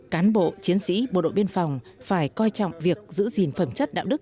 cán bộ chiến sĩ bộ đội biên phòng phải coi trọng việc giữ gìn phẩm chất đạo đức